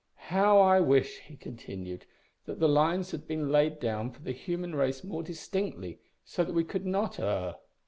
"How I wish," he continued, "that the lines had been laid down for the human race more distinctly, so that we could not err!"